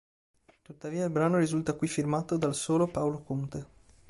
Tuttavia il brano risulta qui firmato dal solo Paolo Conte.